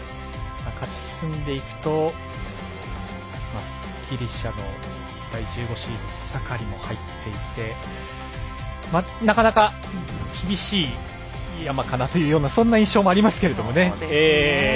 勝ち進んでいくとギリシャの第１５シードサカリも入っていてなかなか、厳しい山かなというそんな印象もありますけどね。